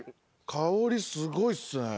香りすごいっすね。